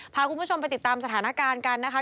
พาคุณผู้ชมไปติดตามสถานการณ์กันนะคะ